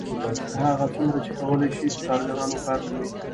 هغه څومره چې کولی شي په کارګرانو کار کوي